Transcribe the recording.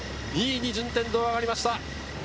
２位に順天堂上がりました。